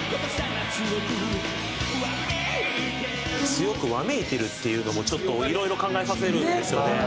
「強くわめいてる」っていうのもいろいろ考えさせるんですよね。